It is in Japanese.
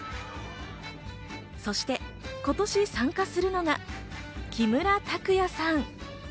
そして今年、参加するのが木村拓哉さん。